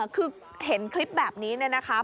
คือเห็นคลิปแบบนี้นะครับ